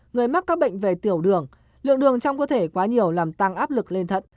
người mắc các bệnh về tiểu đường lượng đường trong cơ thể quá nhiều làm tăng áp lực lên thận